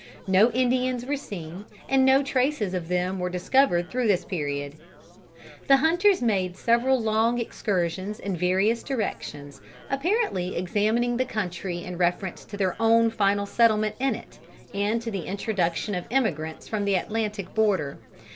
No Indians were seen, and no traces of them were discovered through this period. The hunters made several long excursions in various directions, apparently examining the country in reference to their own final settlement in it, and to the introduction of emigrants from the Atlantic border.